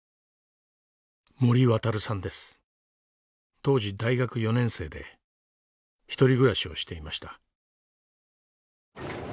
当時大学４年生で一人暮らしをしていました。